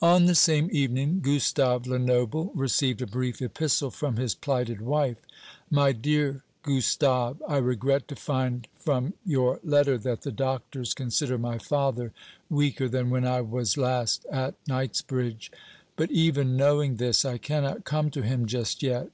On the same evening Gustave Lenoble received a brief epistle from his plighted wife. "MY DEAR GUSTAVE, I regret to find from your letter that the doctors consider my father weaker than when I was last at Knightsbridge; but, even knowing this, I cannot come to him just yet.